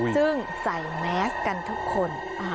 ซึ่งใส่แมสกันทุกคน